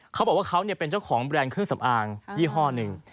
เขาบอกว่าเขาเป็นเจ้าของแบรนด์เครื่องสำอางยี่ห้อหนึ่ง